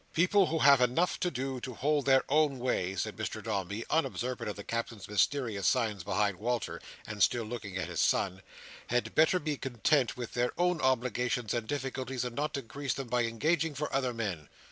"People who have enough to do to hold their own way," said Mr Dombey, unobservant of the Captain's mysterious signs behind Walter, and still looking at his son, "had better be content with their own obligations and difficulties, and not increase them by engaging for other men.